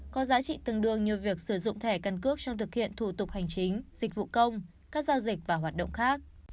có giá trị tương đương như việc sử dụng thẻ căn cước trong thực hiện thủ tục hành chính dịch vụ công các giao dịch và hoạt động khác